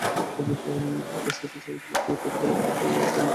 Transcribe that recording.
আচ্ছা সতীশ, আমি তো তোমাকে ছেলেবেলা হতেই জানি, আমার কাছে ভাঁড়িয়ো না।